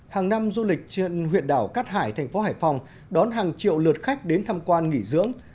hàng năm du lịch trên huyện đảo cát hải thành phố hải phòng đón hàng triệu lượt khách đến tham quan nghỉ dưỡng